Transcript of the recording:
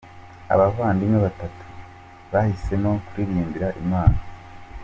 Abavandimwe batatu bahisemo kuririmbira Imana